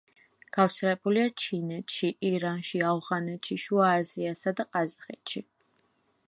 გავრცელებულია ჩინეთში, ირანში, ავღანეთში, შუა აზიასა და ყაზახეთში.